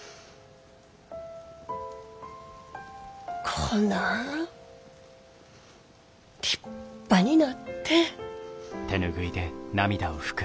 こなん立派になって。